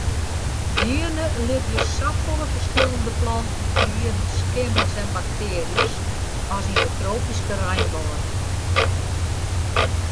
Nearne libje safolle ferskillende planten, dieren, skimmels en baktearjes as yn de tropyske reinwâlden.